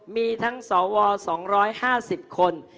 มีทั้งสว๒๕๐คน